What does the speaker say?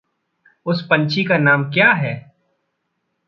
उस पंछी का नाम क्या है?